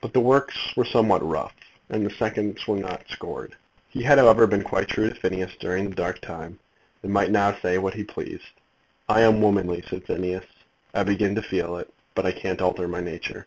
But the works were somewhat rough, and the seconds were not scored. He had, however, been quite true to Phineas during the dark time, and might now say what he pleased. "I am womanly," said Phineas. "I begin to feel it. But I can't alter my nature."